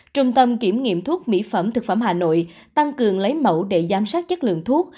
trung tâm kiểm nghiệm thuốc mỹ phẩm thực phẩm hà nội tăng cường lấy mẫu để giám sát chất lượng thuốc